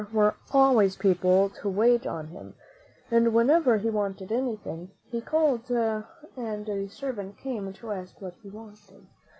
^'■ were always people to wait on him, and when ever he wanted anything, he called and a servant came to ask what he wanted.